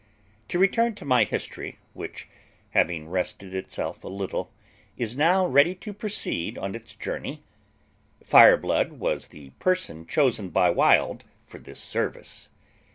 To return to my history, which, having rested itself a little, is now ready to proceed on its journey: Fireblood was the person chosen by Wild for this service.